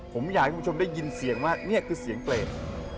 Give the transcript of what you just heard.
ผมอยากให้คุณผู้ชมได้ยินเสียงว่านี่คือเสียงเปรต